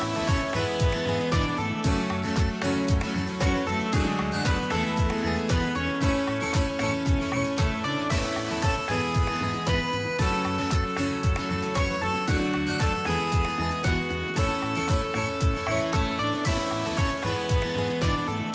โปรดติดตามตอนต่อไป